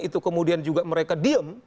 itu kemudian juga mereka diem